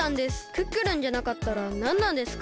クックルンじゃなかったらなんなんですか？